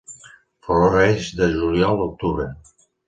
Floreix de juliol a octubre.